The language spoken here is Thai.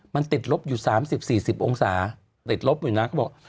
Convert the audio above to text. มันติดลบอยู่๓๐๔๐องศาติดลบอยู่นะเขาบอก